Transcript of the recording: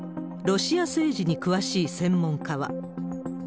ロシア政治に詳しい専門家は。